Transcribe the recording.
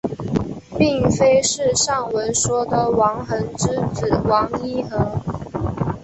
并非是上文说的王桓之子王尹和。